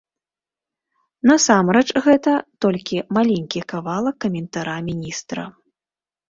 Насамрэч гэта толькі маленькі кавалак каментара міністра.